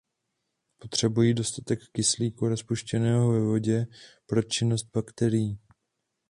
Potřebují dostatek kyslíku rozpuštěného ve vodě pro činnost bakterií.